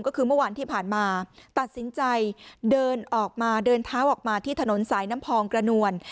ก็คือเมื่อวานที่ผ่านมาตัดสินใจเดินออกมาเดินเท้าออกมาที่ถนนสายน้ำพองกระนวล